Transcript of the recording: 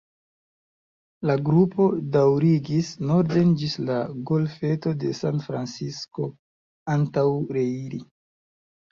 La grupo daŭrigis norden ĝis la golfeto de San Francisco antaŭ reiri.